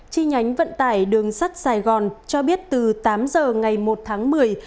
chi nhánh vận tải đường sắt sài gòn cho biết từ tám giờ ngày một tháng một mươi